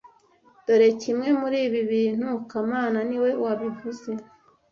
Dore Kimwe muri ibi bintu kamana niwe wabivuze